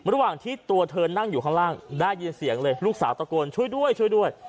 ระหว่างที่ตัวเธอนั่งอยู่ข้างล่างได้ยินเสียงเลยลูกสาวตะโกนช่วยด้วยช่วยด้วย